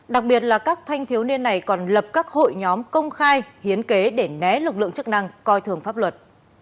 đặc biệt là các thanh thiếu niên này còn lập các hội nhóm công khai hiến kế để né lực lượng chức năng coi thường pháp luật